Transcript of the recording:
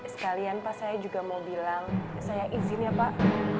sekalian pak saya juga mau bilang saya izin ya pak